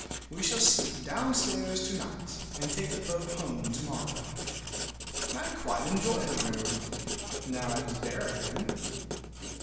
We shall sleep downstairs to night, and take the boat home to morrow. I quite enjoy the room, now it is bare again.